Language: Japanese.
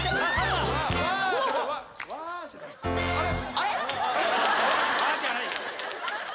あれ？